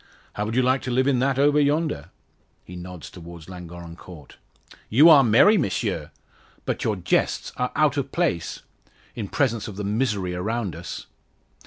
"How would you like to live in that over yonder?" He nods towards Llangorren Court. "You are merry, Monsieur. But your jests are out of place in presence of the misery around us."